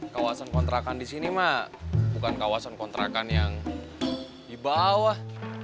kawasan kontrakan di sini mah bukan kawasan kontrakan yang di bawah